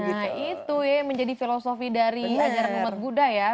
nah itu ya menjadi filosofi dari ajaran umat budaya